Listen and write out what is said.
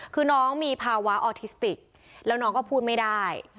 คือน้องมีภาวะออทิสติกแล้วน้องก็พูดไม่ได้